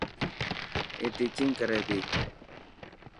اي ٽيچنگ ڪري تي.